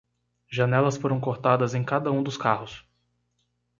Janelas foram cortadas em cada um dos carros.